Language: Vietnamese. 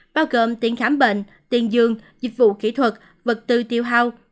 bao gồm tiền khám bệnh tiền dương dịch vụ kỹ thuật vật tư tiêu hao